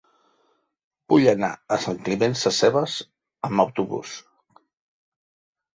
Vull anar a Sant Climent Sescebes amb autobús.